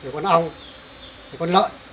con ong con lợn